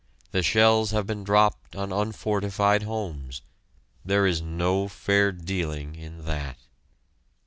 The shells have been dropped on unfortified homes. There is no fair dealing in that.